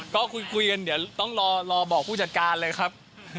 ก็คุยกันเดี๋ยวต้องรอบอกผู้จัดการเลยครับ